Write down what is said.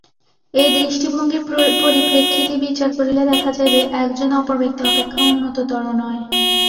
এই দৃষ্টিভঙ্গীর পরিপ্রেক্ষিতে বিচার করিলে দেখা যাইবে, একজন অপর ব্যক্তি অপেক্ষা উন্নততর নয়।